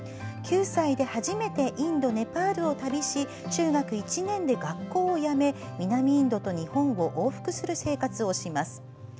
９歳で初めてインド、ネパールを旅し中学１年で学校を辞め南インドと日本を往復する生活をします。